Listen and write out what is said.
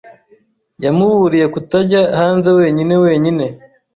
Yamuburiye kutajya hanze wenyine wenyine.